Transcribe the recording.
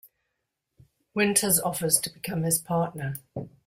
Winters offers to become his partner.